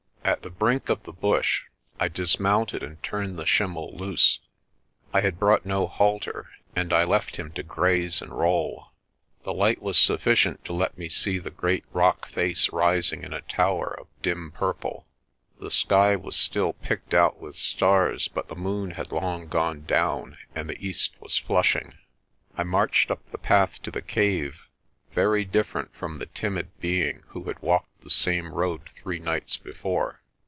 At the brink of the bush I dismounted and turned the schimmel loose. I had brought no halter and I left him to graze and roll. The light was sufficient to let me see the great rock face rising in a tower of dim purple. The sky was still picked out with stars but the moon had long gone down, and the east was flushing. I marched up the path to the cave, very different from the timid being who had walked the same road three nights before.